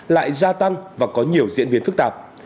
lại gia tăng và có nhiều diễn biến phức tạp